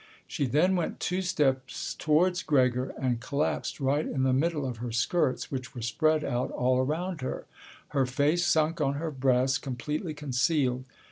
She then went two steps towards Gregor and collapsed right in the middle of her skirts, which were spread out all around her, her face sunk on her breast, completely concealed.